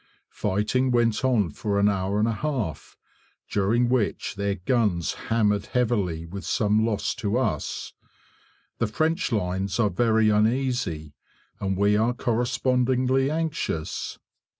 Fighting went on for an hour and a half, during which their guns hammered heavily with some loss to us. The French lines are very uneasy, and we are correspondingly anxious.